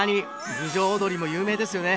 「郡上おどり」も有名ですよね。